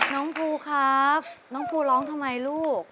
น้องภูครับน้องภูร้องทำไมลูก